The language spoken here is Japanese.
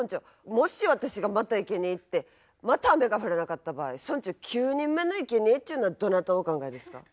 もし私がまたいけにえ行ってまた雨が降らなかった場合村長９人目のいけにえっちゅうのはどなたをお考えですか？